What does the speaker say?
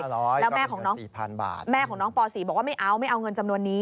แล้วแม่ของน้องป๔บอกว่าไม่เอาเงินจำนวนนี้